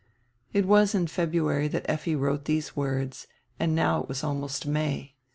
It was in February diat Effi wrote diese words and now it was almost May.